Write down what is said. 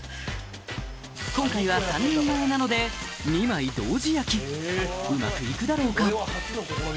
今回は３人前なので２枚同時焼きうまく行くだろうか？